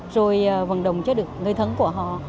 rồi vận động cho được người thân của họ